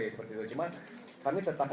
ya event aja ya dari mereka